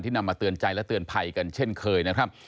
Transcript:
นำมาเตือนใจและเตือนภัยกันเช่นเคยนะครับ